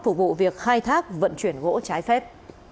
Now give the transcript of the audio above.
phục vụ việc khai thác vận chuyển gỗ trái phép